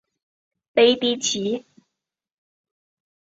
雷迪奇。